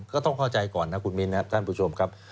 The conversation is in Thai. ก็ต้องเข้าใจก่อนนะคุณมิ้นครับท่านผู้ชมครับ